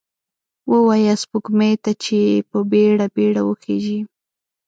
ووایه سپوږمۍ ته، چې په بیړه، بیړه وخیژئ